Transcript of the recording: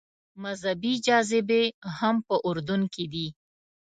مذهبي جاذبې هم په اردن کې دي.